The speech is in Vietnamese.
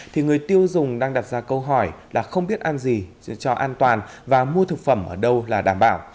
thì người tiêu dùng đang đặt ra câu hỏi là không biết ăn gì cho an toàn và mua thực phẩm ở đâu là đảm bảo